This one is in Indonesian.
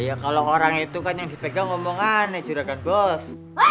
iya kalau orang itu kan yang dipegang ngomong aneh juragan bos